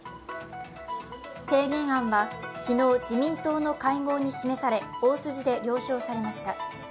提言案は昨日、自民党の会合に示され、大筋で了承されました。